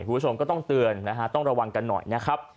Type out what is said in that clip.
คุณผู้ชมก็ต้องเตือนนะฮะต้องระวังกันหน่อยนะครับ